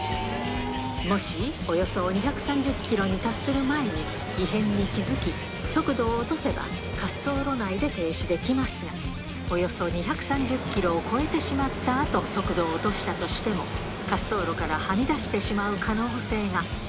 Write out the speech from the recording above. もし、およそ２３０キロに達する前に異変に気付き、速度を落とせば滑走路内で停止できますが、およそ２３０キロを超えてしまったあと速度を落としたとしても、滑走路からはみ出してしまう可能性が。